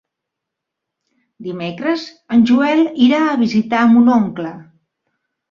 Dimecres en Joel irà a visitar mon oncle.